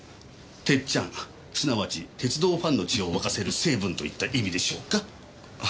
鉄ちゃんすなわち鉄道ファンの血を沸かせる成分といった意味でしょうか。